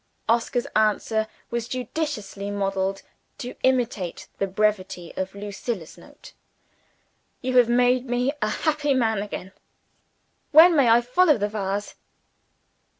Oscar's answer was judiciously modeled to imitate the brevity of Lucilla's note. "You have made me a happy man again. When may I follow the vase?"